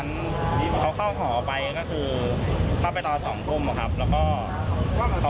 ส่วนศพของหญิงสาวปริศนานี่นะคะ